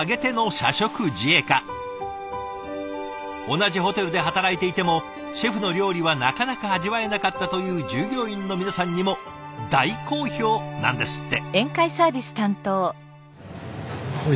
同じホテルで働いていてもシェフの料理はなかなか味わえなかったという従業員の皆さんにも大好評なんですって。